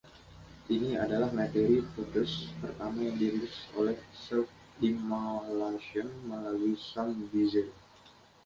Ini adalah materi Foetus pertama yang dirilis oleh Self Immolation melalui Some Bizzare.